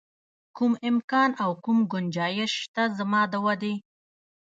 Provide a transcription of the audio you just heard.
کوم امکان او کوم ګنجایش شته زما د ودې.